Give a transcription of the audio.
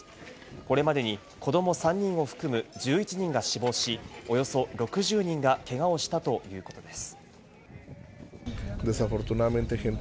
これまでに子ども３人を含む１１人が死亡し、およそ６０人がけがをしたということです。